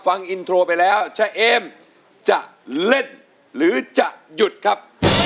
ฟังอินโทรไปแล้วชะเอมจะเล่นหรือจะหยุดครับ